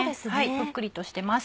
ぷっくりとしてます。